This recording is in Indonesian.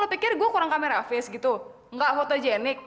kaya mikir gua kurang kamera face gitu ga fotogenik